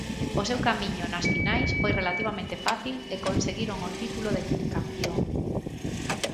O seu camiño nas finais foi relativamente fácil e conseguiron o título de Campión.